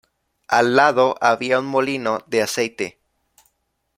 Al lado, había un molino de aceite.